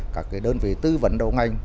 các đơn vị tư vấn đầu ngành